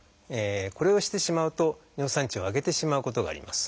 これをしてしまうと尿酸値を上げてしまうことがあります。